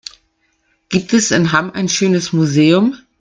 Gibt es in Hamm ein schönes Museum?